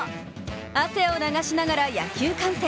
汗を流しながら野球観戦。